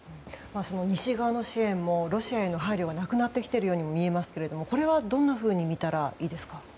西側の支援もロシアへの配慮がなくなってきているようにも見えますけれどもこれはどう見たらいいですか？